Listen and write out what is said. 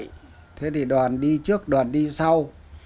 hay ngồi trong dòng mua đồ của đoàn đi trước đoàn đi sau